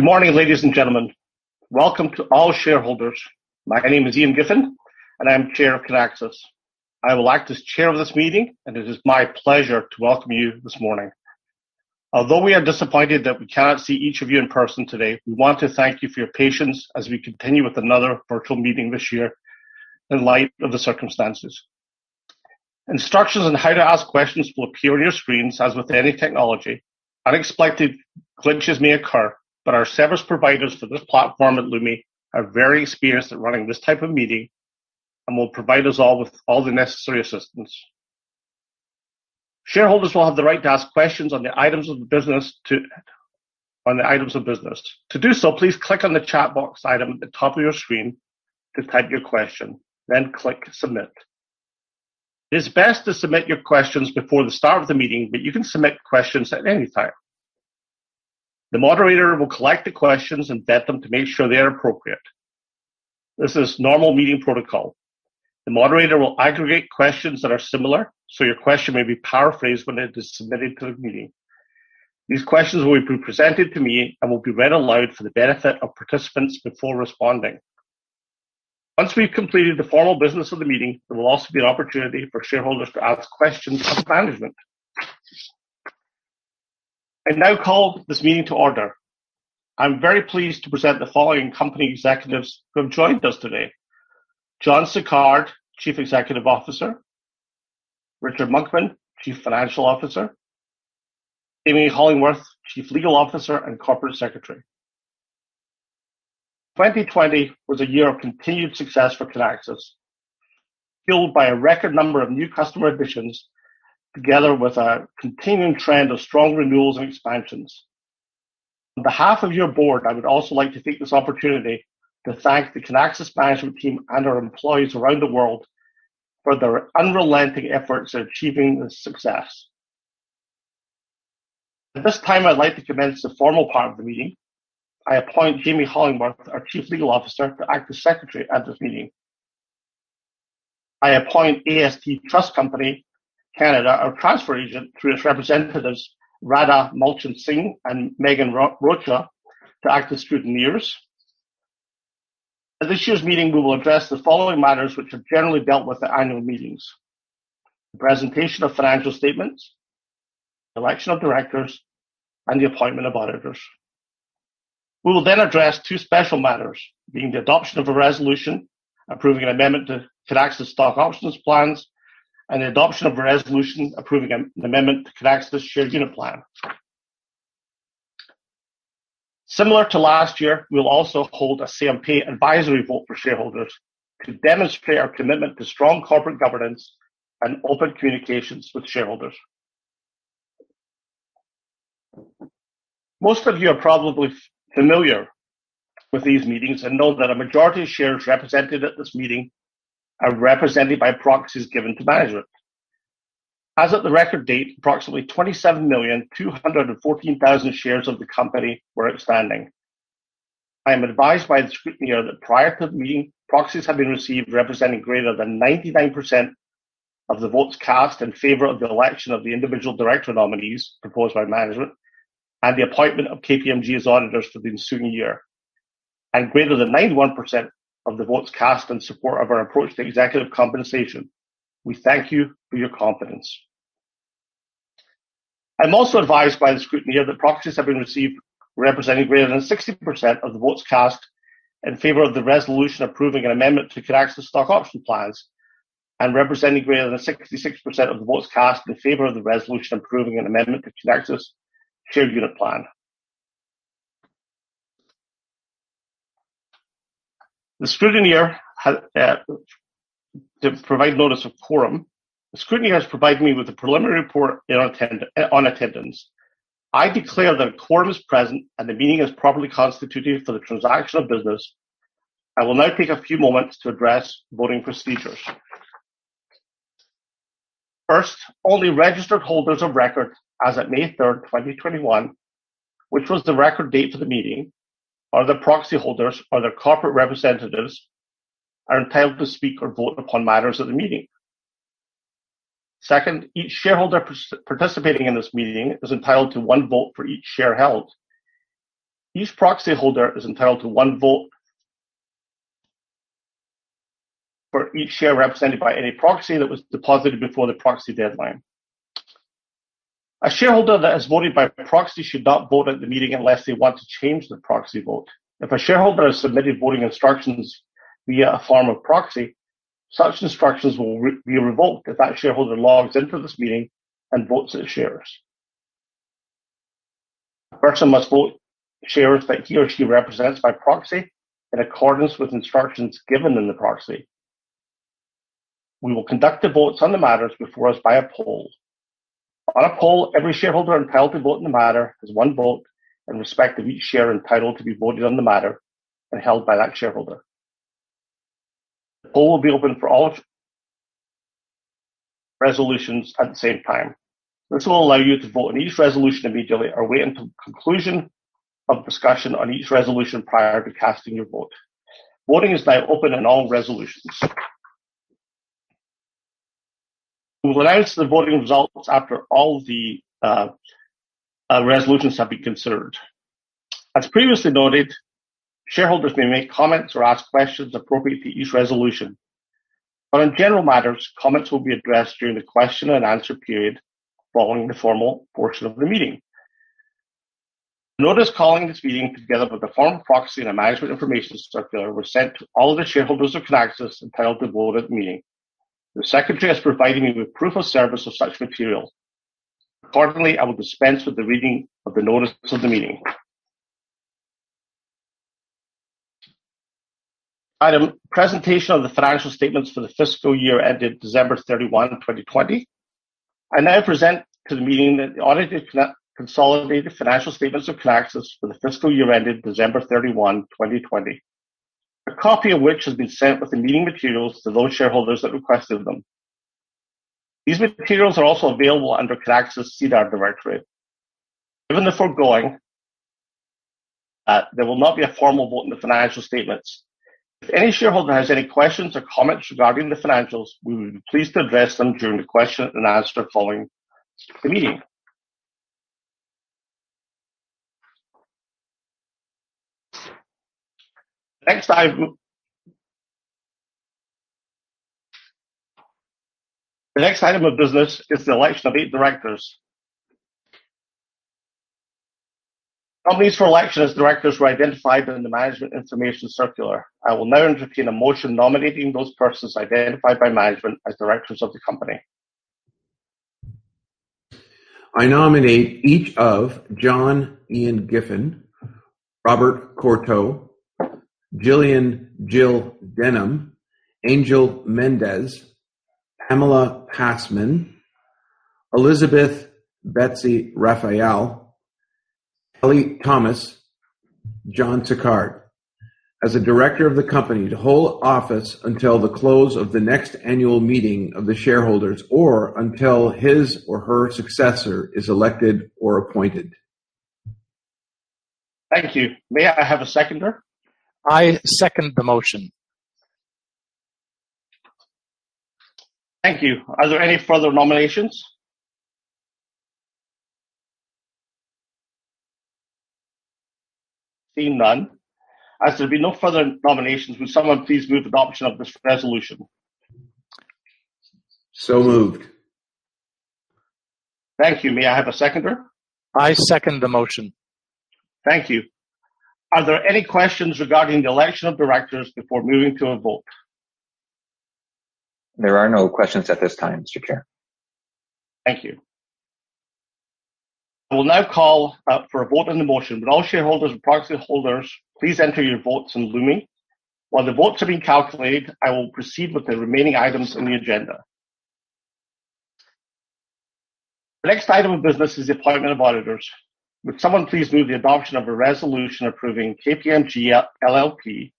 Good morning, ladies and gentlemen. Welcome to all shareholders. My name is J. Ian Giffen, and I'm Chair of Kinaxis. I will act as chair of this meeting, and it is my pleasure to welcome you this morning. Although we are disappointed that we cannot see each of you in person today, we want to thank you for your patience as we continue with another virtual meeting this year in light of the circumstances. Instructions on how to ask questions will appear on your screens. As with any technology, unexpected glitches may occur, but our service providers for this platform at Lumi are very experienced at running this type of meeting and will provide us all with all the necessary assistance. Shareholders will have the right to ask questions on the items of business. To do so, please click on the chat box item at the top of your screen to type your question, then click Submit. It is best to submit your questions before the start of the meeting, but you can submit questions at any time. The moderator will collect the questions and vet them to make sure they're appropriate. This is normal meeting protocol. The moderator will aggregate questions that are similar, so your question may be paraphrased when it is submitted to the meeting. These questions will be presented to me and will be read aloud for the benefit of participants before responding. Once we've completed the formal business of the meeting, there will also be an opportunity for shareholders to ask questions of management. I now call this meeting to order. I'm very pleased to present the following company executives who have joined us today. John Sicard, Chief Executive Officer. Richard Monkman, Chief Financial Officer. Jamie Hollingworth, Chief Legal Officer and Corporate Secretary. 2020 was a year of continued success for Kinaxis, fueled by a record number of new customer additions, together with a continuing trend of strong renewals and expansions. On behalf of your board, I would also like to take this opportunity to thank the Kinaxis management team and our employees around the world for their unrelenting efforts in achieving this success. At this time, I'd like to commence the formal part of the meeting. I appoint Jamie Hollingworth, our Chief Legal Officer, to act as secretary at this meeting. I appoint AST Trust Company (Canada), our transfer agent through its representatives, Radha Mulchan-Singh and Megan Rocha, to act as scrutineers. At this year's meeting, we will address the following matters, which are generally dealt with at annual meetings: the presentation of financial statements, the election of directors, and the appointment of auditors. We will then address two special matters, being the adoption of a resolution approving an amendment to Kinaxis stock options plans, and the adoption of a resolution approving an amendment to Kinaxis share unit plan. Similar to last year, we'll also hold a CMP advisory vote for shareholders to demonstrate our commitment to strong corporate governance and open communications with shareholders. Most of you are probably familiar with these meetings and know that a majority of shares represented at this meeting are represented by proxies given to management. As at the record date, approximately 27,214,000 shares of the company were outstanding. I am advised by the scrutineer that prior to the meeting, proxies have been received representing greater than 99% of the votes cast in favor of the election of the individual director nominees proposed by management and the appointment of KPMG as auditors for the ensuing year, and greater than 91% of the votes cast in support of our approach to executive compensation. We thank you for your confidence. I'm also advised by the scrutineer that proxies have been received representing greater than 60% of the votes cast in favor of the resolution approving an amendment to Kinaxis stock option plans, and representing greater than 66% of the votes cast in favor of the resolution approving an amendment to Kinaxis share unit plan. To provide notice of quorum, the scrutineer has provided me with a preliminary report on attendance. I declare that a quorum is present and the meeting is properly constituted for the transaction of business. I will now take a few moments to address voting procedures. First, only registered holders of record as at May 3, 2021, which was the record date of the meeting, or their proxy holders or their corporate representatives, are entitled to speak or vote upon matters of the meeting. Second, each shareholder participating in this meeting is entitled to one vote for each share held. Each proxyholder is entitled to one vote for each share represented by any proxy that was deposited before the proxy deadline. A shareholder that has voted by proxy should not vote at the meeting unless they want to change their proxy vote. If a shareholder has submitted voting instructions via a form of proxy, such instructions will be revoked if that shareholder logs into this meeting and votes its shares. A person must vote shares that he or she represents by proxy in accordance with instructions given in the proxy. We will conduct the votes on the matters before us by a poll. On a poll, every shareholder entitled to vote on the matter has one vote in respect of each share entitled to be voted on the matter and held by that shareholder. The poll will be open for all resolutions at the same time. This will allow you to vote on each resolution immediately or wait until the conclusion of discussion on each resolution prior to casting your vote. Voting is now open on all resolutions. We will announce the voting results after all the resolutions have been considered. As previously noted, shareholders may make comments or ask questions appropriate to each resolution, but on general matters, comments will be addressed during the question and answer period following the formal portion of the meeting. The notice calling this meeting, together with the form of proxy and management information circular, were sent to all the shareholders of Kinaxis entitled to vote at the meeting. The secretary is providing me with proof of service of such material. Accordingly, I will dispense with the reading of the notice to the meeting. Item, presentation of the financial statements for the fiscal year ended December 31, 2020. I now present to the meeting the audited consolidated financial statements of Kinaxis for the fiscal year ended December 31, 2020. A copy of which has been sent with the meeting materials to those shareholders that requested them. These materials are also available under Kinaxis' SEDAR directory. Given the foregoing, there will not be a formal vote on the financial statements. If any shareholder has any questions or comments regarding the financials, we would be pleased to address them during the question and answer following the meeting. The next item of business is the election of eight directors. Nominees for election as directors were identified in the management information circular. I will now entertain a motion nominating those persons identified by management as directors of the company. I nominate each of John (Ian) Giffen, Robert Courteau, Gillian Denham, Angel Mendez, Pamela Passman, Elizabeth Rafael, Kelly Thomas, John Sicard, as a director of the company to hold office until the close of the next annual meeting of the shareholders or until his or her successor is elected or appointed. Thank you. May I have a seconder? I second the motion. Thank you. Are there any further nominations? Seeing none. As there will be no further nominations, would someone please move the adoption of this resolution? Moved. Thank you. May I have a seconder? I second the motion. Thank you. Are there any questions regarding the election of directors before moving to a vote? There are no questions at this time, speaker. Thank you. I will now call for a vote on the motion. Would all shareholders and proxy holders please enter your votes in Lumi? While the votes are being calculated, I will proceed with the remaining items on the agenda. The next item of business is the appointment of auditors. Would someone please move the adoption of a resolution approving KPMG LLP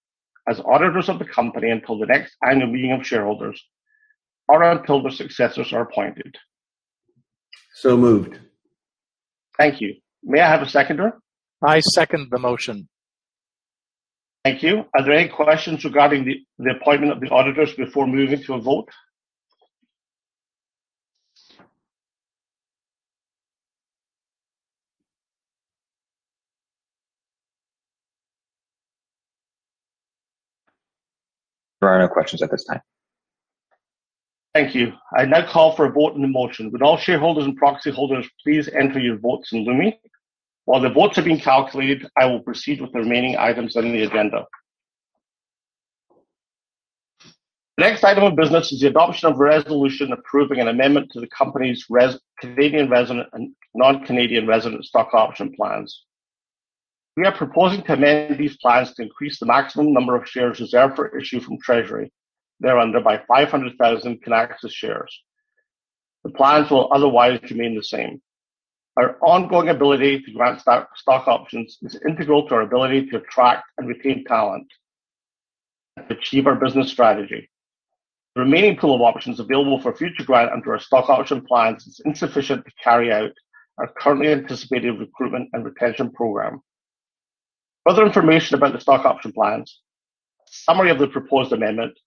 as auditors of the company until the next annual meeting of shareholders or until their successors are appointed. Moved. Thank you. May I have a seconder? I second the motion. Thank you. Are there any questions regarding the appointment of the auditors before moving to a vote? There are no questions at this time. Thank you. I now call for a vote on the motion. Would all shareholders and proxy holders please enter your votes in Lumi? While the votes are being calculated, I will proceed with the remaining items on the agenda. The next item of business is the adoption of a resolution approving an amendment to the company's Canadian resident and non-Canadian resident stock option plans. We are proposing to amend these plans to increase the maximum number of shares reserved for issue from treasury thereunder by 500,000 Kinaxis shares. The plans will otherwise remain the same. Our ongoing ability to grant stock options is integral to our ability to attract and retain talent and achieve our business strategy. The remaining pool of options available for future grant under our stock option plans is insufficient to carry out our currently anticipated recruitment and retention program. Further information about the stock option plans, a summary of the proposed amendment,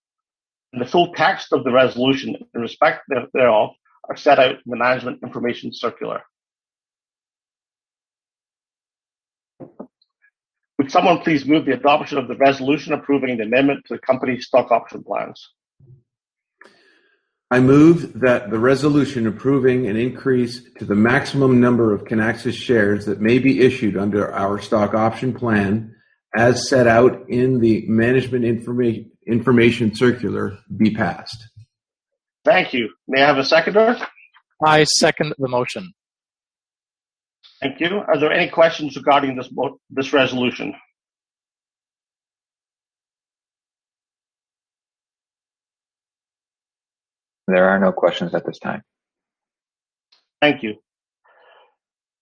and the full text of the resolution and the effect thereof, are set out in the management information circular. Would someone please move the adoption of the resolution approving an amendment to the company's stock option plans. I move that the resolution approving an increase to the maximum number of Kinaxis shares that may be issued under our stock option plan, as set out in the management information circular, be passed. Thank you. May I have a seconder? I second the motion. Thank you. Are there any questions regarding this resolution? There are no questions at this time. Thank you.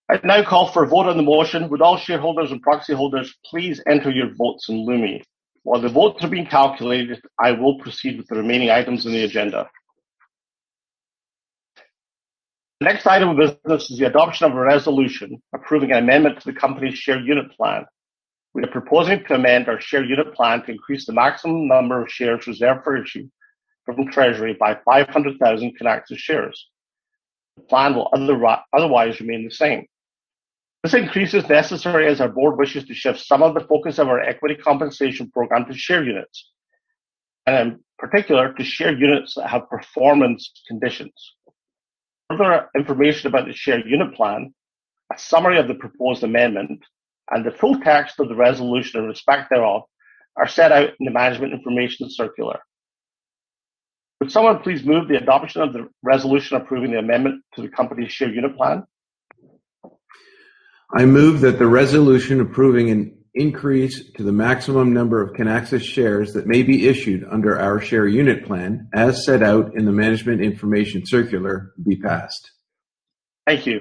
I now call for a vote on the motion. Would all shareholders and proxy holders please enter your votes in Lumi. While the votes are being calculated, I will proceed with the remaining items on the agenda. The next item of business is the adoption of a resolution approving amendment to the company's share unit plan. We are proposing to amend our share unit plan to increase the maximum number of shares reserved for issue from treasury by 500,000 Kinaxis shares. The plan will otherwise remain the same. This increase is necessary as our board wishes to shift some of the focus of our equity compensation program to share units, and in particular, to share units that have performance conditions. Further information about the share unit plan, a summary of the proposed amendment, and the full text of the resolution in respect thereof are set out in the management information circular. Would someone please move the adoption of the resolution approving the amendment to the company's share unit plan? I move that the resolution approving an increase to the maximum number of Kinaxis shares that may be issued under our share unit plan, as set out in the management information circular, be passed. Thank you.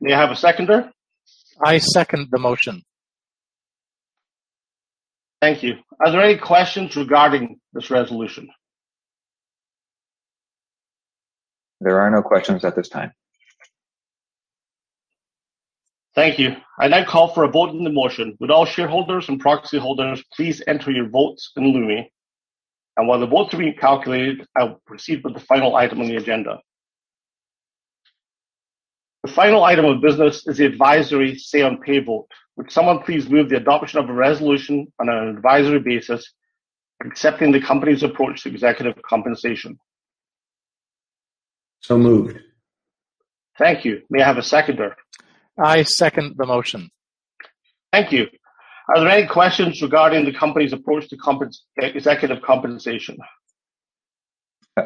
May I have a seconder? I second the motion. Thank you. Are there any questions regarding this resolution? There are no questions at this time. Thank you. I now call for a vote on the motion. Would all shareholders and proxy holders please enter your votes in Lumi. While the votes are being calculated, I will proceed with the final item on the agenda. The final item of business is the advisory say on pay vote. Would someone please move the adoption of a resolution on an advisory basis accepting the company's approach to executive compensation? Moved. Thank you. May I have a seconder? I second the motion. Thank you. Are there any questions regarding the company's approach to executive compensation?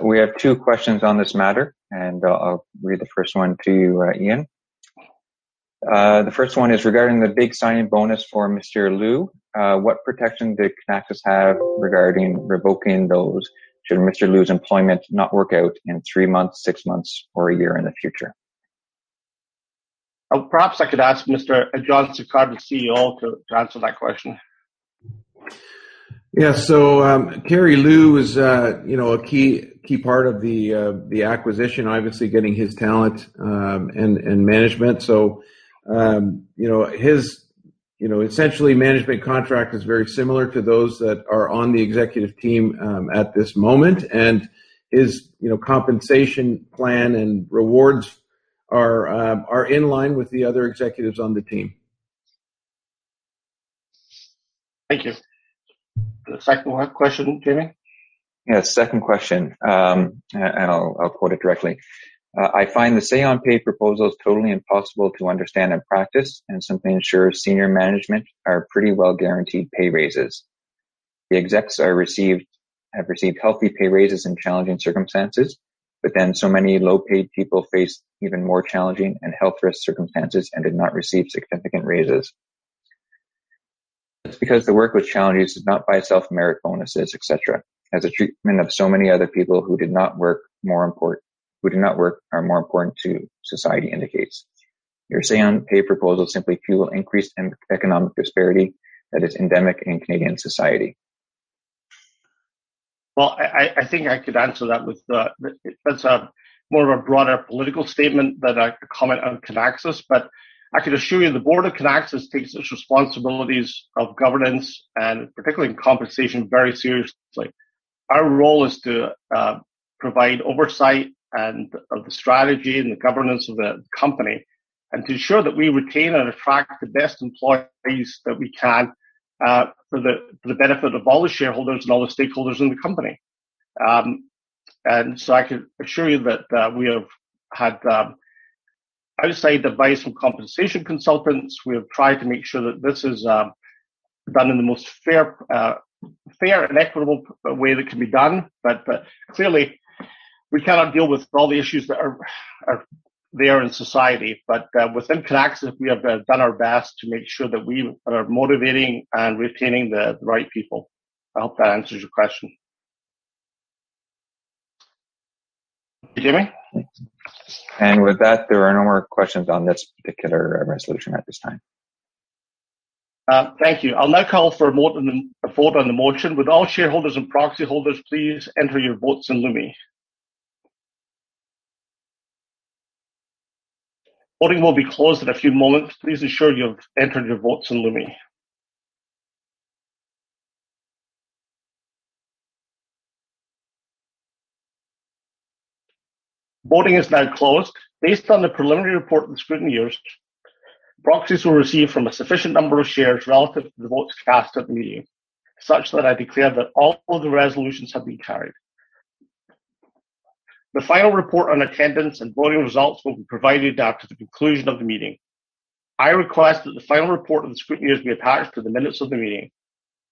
We have two questions on this matter. I'll read the first one to you, Ian. The first one is regarding the big signing bonus for Mr. Liu. What protection did Kinaxis have regarding revoking those should Mr. Liu's employment not work out in three months, six months, or a year in the future? Perhaps I could ask Mr. John Sicard, the CEO, to answer that question. Yeah. Kerry Liu is a key part of the acquisition, obviously getting his talent and management. Essentially, management contract is very similar to those that are on the executive team at this moment, and his compensation plan and rewards are in line with the other executives on the team. Thank you. The second question, Jamie? Yeah, second question, and I'll quote it directly. "I find the say on pay proposal is totally impossible to understand in practice, and something I'm sure senior management are pretty well guaranteed pay raises. The execs have received healthy pay raises in challenging circumstances, but then so many low-paid people face even more challenging and health risk circumstances and did not receive significant raises. Just because the work was challenging does not buy self-merit bonuses, et cetera, as the treatment of so many other people who did not work are more important to society indicates. Your say on pay proposal simply fuel increased economic disparity that is endemic in Canadian society. Well, I think I could answer that. That's more of a broader political statement than I could comment on Kinaxis, but I can assure you the board of Kinaxis takes its responsibilities of governance and particularly compensation very seriously. Our role is to provide oversight and of the strategy and the governance of the company, and to ensure that we retain and attract the best employees that we can for the benefit of all the shareholders and all the stakeholders in the company. I can assure you that we have had, I would say, advice from compensation consultants. We have tried to make sure that this is done in the most fair and equitable way that it can be done. Clearly, we cannot deal with all the issues that are there in society. Within Kinaxis, we have done our best to make sure that we are motivating and retaining the right people. I hope that answers your question. Jamie? With that, there are no more questions on this particular resolution at this time. Thank you. I'll now call for a vote on the motion. Would all shareholders and proxy holders please enter your votes in Lumi. Voting will be closed in a few moments. Please ensure you have entered your votes in Lumi. Voting is now closed. Based on the preliminary report from scrutineers, proxies were received from a sufficient number of shares relative to the votes cast at the meeting, such that I declare that all of the resolutions have been carried. The final report on attendance and voting results will be provided after the conclusion of the meeting. I request that the final report of the scrutineers be attached to the minutes of the meeting.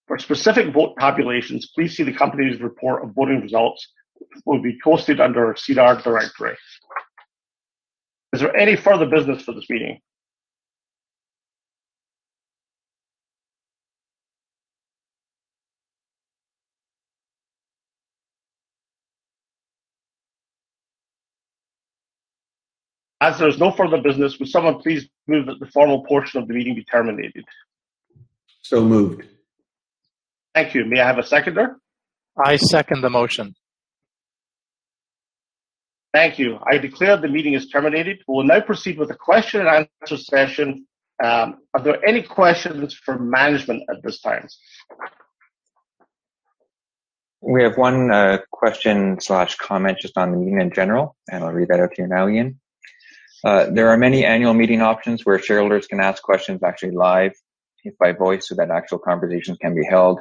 For specific vote calculations, please see the company's report of voting results, which will be posted under SEDAR directory. Is there any further business for this meeting? As there is no further business, would someone please move that the formal portion of the meeting be terminated? Moved. Thank you. May I have a seconder? I second the motion. Thank you. I declare the meeting is terminated. We will now proceed with the question and answer session. Are there any questions for management at this time? We have one question/comment just on the meeting in general, I'll read that out to you now, Ian. "There are many annual meeting options where shareholders can ask questions actually live, if by voice, so that actual conversation can be held.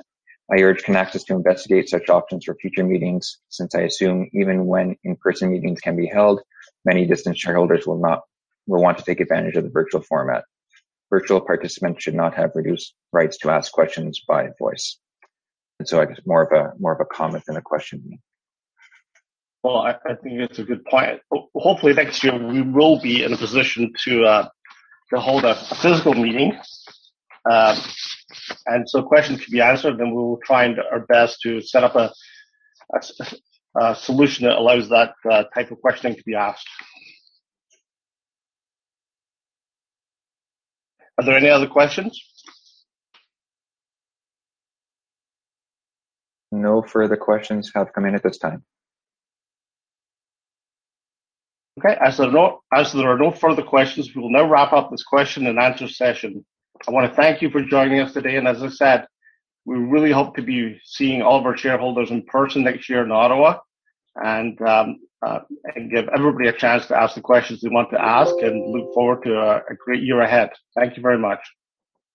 I urge Kinaxis to investigate such options for future meetings since I assume even when in-person meetings can be held, many distanced shareholders will want to take advantage of the virtual format. Virtual participants should not have reduced rights to ask questions by voice." It's more of a comment than a question. Well, I think that's a good point. Hopefully next year, we will be in a position to hold a physical meeting. Questions can be answered, and we will find our best to set up a solution that allows that type of questioning to be asked. Are there any other questions? No further questions have come in at this time. Okay. As there are no further questions, we will now wrap up this question and answer session. I want to thank you for joining us today. As I said, we really hope to be seeing all of our shareholders in person next year in Ottawa and give everybody a chance to ask the questions they want to ask and look forward to a great year ahead. Thank you very much.